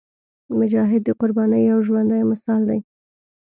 مجاهد د قربانۍ یو ژوندی مثال دی.